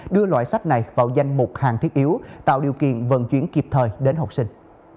đưa loại sách này vào danh mục hàng thiết yếu tạo điều kiện vận chuyển kịp thời đến học sinh